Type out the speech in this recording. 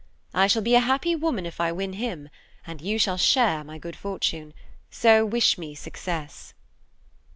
I shall be a happy woman if I win him, and you shall share my good fortune; so wish me success.